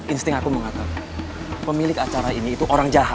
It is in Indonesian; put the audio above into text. insting aku mengatakan pemilik acara ini itu orang jahat